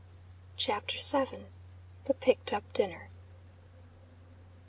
CHAPTER VII. THE PICKED UP DINNER.